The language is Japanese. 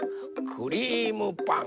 クリームパン。